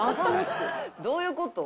どういう事？